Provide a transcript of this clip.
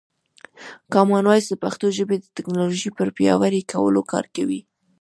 کامن وایس د پښتو ژبې د ټکنالوژۍ پر پیاوړي کولو کار کوي.